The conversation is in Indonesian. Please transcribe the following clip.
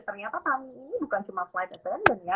ternyata tami bukan cuma flight attendant ya